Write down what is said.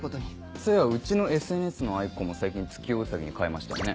そういやうちのＳＮＳのアイコンも最近月夜ウサギに変えましたよね。